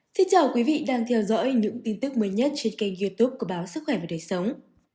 xin chào quý vị đang theo dõi những tin tức mới nhất trên kênh youtube của báo sức khỏe và đời sống